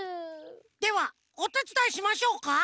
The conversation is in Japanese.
ではおてつだいしましょうか？